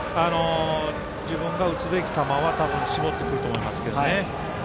自分が打つべき球を多分絞ってくると思いますけどね。